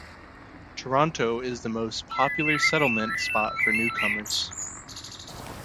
Toronto is the most popular settlement spot for newcomers.